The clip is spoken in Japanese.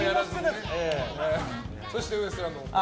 そしてウエストランドのお二人。